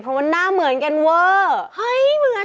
เพราะว่าหน้าเหมือนกันเวอร์